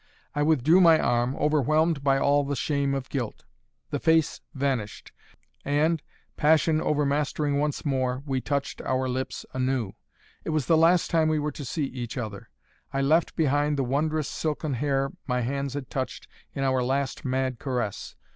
I withdrew my arm, overwhelmed by all the shame of guilt. The face vanished and, passion overmastering once more, we touched our lips anew. It was the last time we were to see each other. I left behind the wondrous silken hair my hands had touched in our last mad caress.